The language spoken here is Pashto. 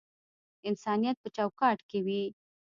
انسانیت په چوکاټ کښی وی